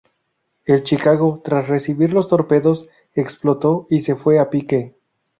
El Chicago tras recibir los torpedos, explotó y se fue a pique.